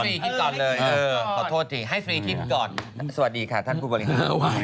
ให้ฟรีคิดก่อนเลยเออขอโทษจริงให้ฟรีคิดก่อนสวัสดีค่ะท่านผู้บริหาร